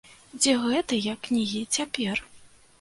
Дзе гэтыя кнігі цяпер?